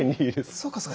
そうかそうか。